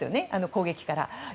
攻撃から。